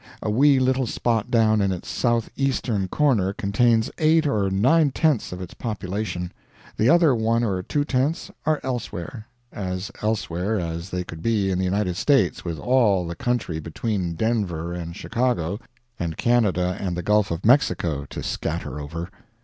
A wee little spot down in its southeastern corner contains eight or nine tenths of its population; the other one or two tenths are elsewhere as elsewhere as they could be in the United States with all the country between Denver and Chicago, and Canada and the Gulf of Mexico to scatter over.